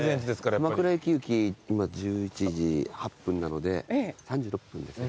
鎌倉駅行き今１１時８分なので３６分ですね。